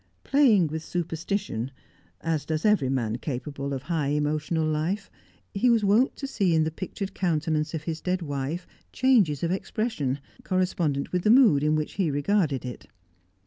Playing with superstition, as does every man capable of high emotional life, he was wont to see in the pictured countenance of his dead wife changes of expression, correspondent with the mood in which he regarded it.